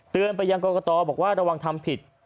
เตือนไปยังก่อนก็ต่อบอกว่าระวังทำผิด